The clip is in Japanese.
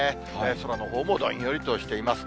空のほうも、どんよりとしています。